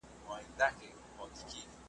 مطربه ما دي په نغمه کي غزل وپېیله .